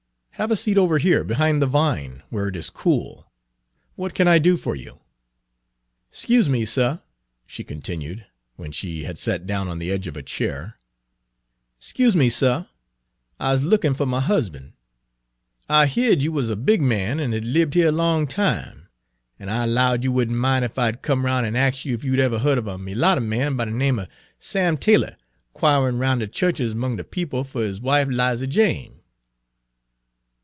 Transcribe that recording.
Have a seat over here behind the vine, where it is cool. What can I do for you?" " 'Scuse me, suh," she continued, when she had sat down on the edge of a chair, " 'scuse me, suh, I 's lookin' for my husban'. I heerd you wuz a big man an' had libbed heah a long time, an' I 'lowed you would n't min' ef I'd come roun' an' ax you ef you'd ever heerd of a merlatter man by de name er Sam Taylor 'quirin' roun' in de chu'ches ermongs' de people fer his wife 'Liza Jane?"